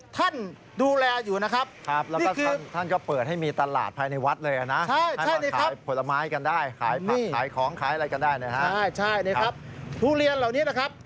เฉยทุเรียนเหล่านี้นะครับ